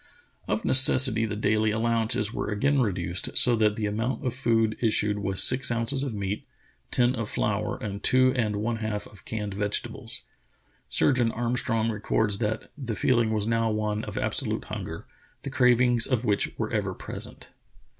Of necessity the daily allowances were again reduced, so that the amount of food issued was six ounces of meat, ten of flour, and two and one half of canned vegetables. Surgeon Armstrong records that "the feel ing was now one of absolute hunger, the cravings of which were ever present.